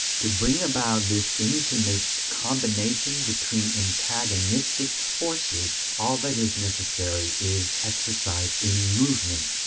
To bring about this intimate combination between antagonistic forces, all that is necessary is exercise in movement.